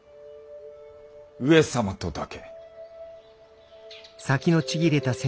上様とだけ。